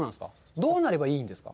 どうなればいいんですか？